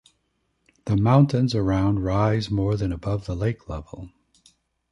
The mountains around rise more than above the lake level.